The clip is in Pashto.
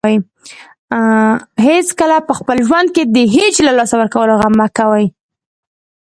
هیڅکله په خپل ژوند کې د هیڅ شی له لاسه ورکولو غم مه کوئ.